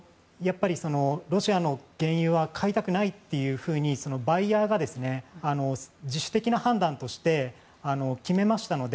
ロシアの原油は買いたくないとバイヤーが自主的な判断として決めましたので